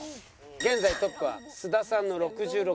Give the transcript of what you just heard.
現在トップは須田さんの６６センチ。